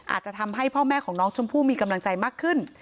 อาจจะทำให้พ่อแม่ของน้องชมพู่มีกำลังใจมากขึ้น